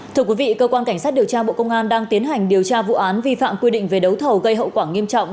thưa quý vị cơ quan cảnh sát điều tra bộ công an đang tiến hành điều tra vụ án vi phạm quy định về đấu thầu gây hậu quả nghiêm trọng